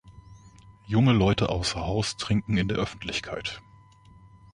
Junge Leute außer Haus trinken in der Öffentlichkeit